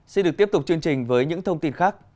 xin được tiếp tục chương trình với những thông tin khác